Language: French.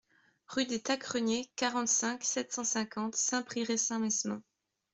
Rue des Tacreniers, quarante-cinq, sept cent cinquante Saint-Pryvé-Saint-Mesmin